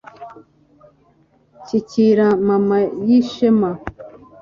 shyikira mana yishema